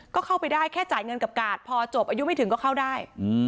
ก็เข้าไปได้แค่จ่ายเงินกับกาดพอจบอายุไม่ถึงก็เข้าได้